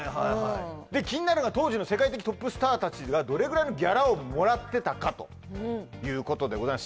うん気になるのが当時の世界的トップスターたちがどれぐらいのギャラをもらってたかということでございます